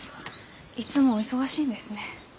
いつもお忙しいんですね。